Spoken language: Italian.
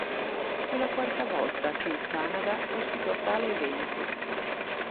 Fu la quarta volta che il Canada ospitò tale evento.